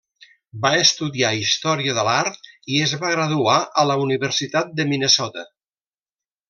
Va estudiar Història de l'art i es va graduar a la Universitat de Minnesota.